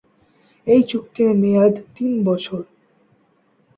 এই চুক্তির মেয়াদ তিন বছর।